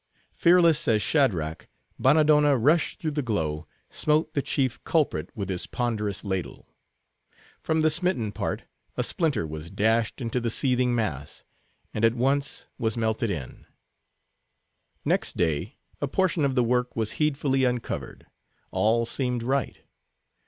Fearless as Shadrach, Bannadonna, rushing through the glow, smote the chief culprit with his ponderous ladle. From the smitten part, a splinter was dashed into the seething mass, and at once was melted in. Next day a portion of the work was heedfully uncovered. All seemed right.